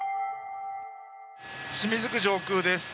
清水区上空です。